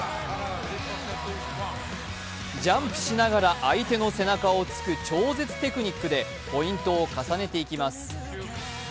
ジャンプしながら相手の背中を突く超絶テクニックでポイントを重ねていきます。